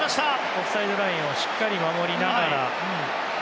オフサイドラインをしっかり守りながら。